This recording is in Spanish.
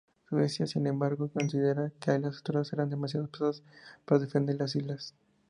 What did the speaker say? Suecia, sin embargo, consideraba que las estructuras eran demasiado pesadas para defender las islas.